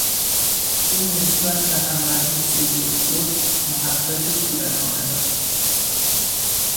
او نسبت به هم مدرسهای خود محبت کودکانه داشت.